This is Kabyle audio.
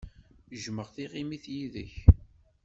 Jjmeɣ tiɣimit yid-k.